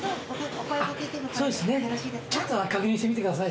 そうですねちょっと確認してみてください。